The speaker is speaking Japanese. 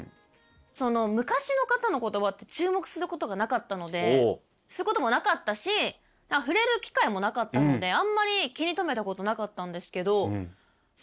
昔の方の言葉って注目することがなかったのですることもなかったし触れる機会もなかったのであんまり気に留めたことなかったんですけどすごいですね。